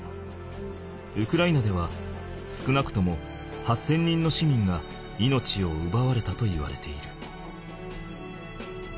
ウクライナでは少なくとも８，０００人の市民が命を奪われたといわれている。